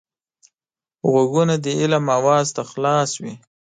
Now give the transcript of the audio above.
غوږونه د علم آواز ته خلاص وي